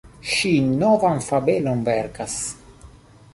Ŝi novan fabelon verkas!